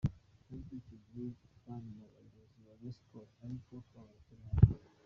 Nubwo icyo gihe tutari mu buyobozi bwa Rayon Sports, ariko twabaga turi hafi.